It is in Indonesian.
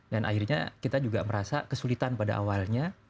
dan akhirnya kita juga merasa kesulitan pada awalnya